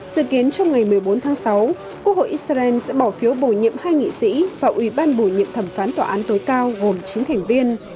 dự kiến trong ngày một mươi bốn tháng sáu quốc hội israel sẽ bỏ phiếu bổ nhiệm hai nghị sĩ và ủy ban bổ nhiệm thẩm phán tòa án tối cao gồm chín thành viên